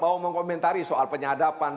saya belum mengkomentari soal penyadapan